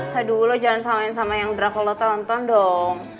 haduh lo jangan samain sama yang drakor lo tonton dong